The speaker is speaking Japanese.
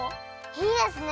いいですね！